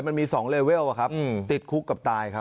มันมี๒เลเวลติดคุกกับตายครับ